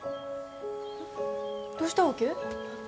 どうしたわけ？